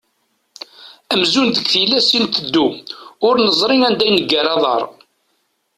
Amzun deg tillas i nteddu, ur neẓri anda i neggar aḍar.